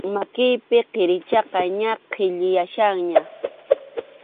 Makiypi kʼirichayqa ña kʼillayachkanña.